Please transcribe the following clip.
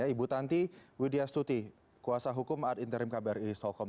ibu tanti widya stuti kuasa hukum art interim kbri solkom